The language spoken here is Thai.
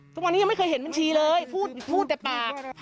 ตอนนี้ยังไม่เคยเห็นบัญชีเลยพูดแปลก